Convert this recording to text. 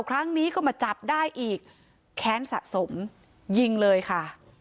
ครั้งนี้ก็มาจับได้อีกแค้นสะสมยิงเลยค่ะ